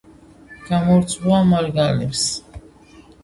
გომორძღუა მარგალებს